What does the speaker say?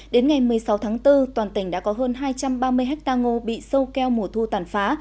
đến ngày một mươi sáu tháng bốn toàn tỉnh đã có hơn hai trăm ba mươi ha ngô bị sâu keo mùa thu tàn phá